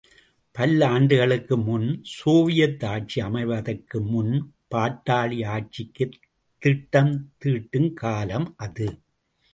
பல்லாண்டுகளுக்கு முன், சோவியத் ஆட்சி அமைவதற்கு முன், பாட்டாளி ஆட்சிக்குத் திட்டம் தீட்டும் காலம், அது.